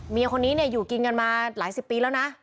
เมียคนนี้เนี่ยอยู่กินกันมาหลายสิบปีแล้วนะ